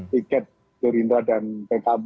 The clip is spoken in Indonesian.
tiket gerinda dan pkb